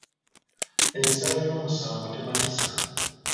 Ensala y’omusango tematiza.